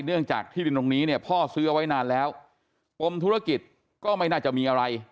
เนื่องจากที่ดินตรงนี้เนี่ยพ่อซื้อเอาไว้นานแล้วปมธุรกิจก็ไม่น่าจะมีอะไร